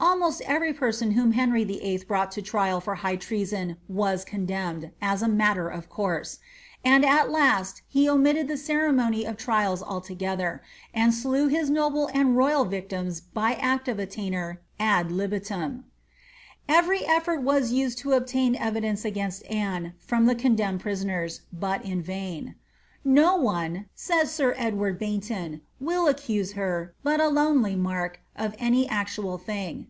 Almost every person whom Henry VIIT. brought to trial for high treason was condemned, as a matter of course ; and at last he omitted the ceremony of trials at all, and slew his noble and royal vic tims by acts of attainder ad libitum. Every efibrt was used to obtain evidence against Anne from the con demned prisoners, but in vain. ^ No one," says sir Edward Baynton, ^ will accuse her, but ahmely Mark, of any actual thing."